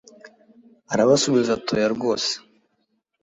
arabasubiza ati 'oya rwose